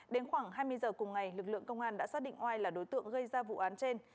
đến khoảng hai mươi giờ cùng ngày lực lượng công an đã xác định oai là đối tượng gây ra vụ án trên